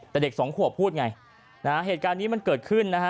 แต่เด็กสองขวบพูดไงนะฮะเหตุการณ์นี้มันเกิดขึ้นนะฮะ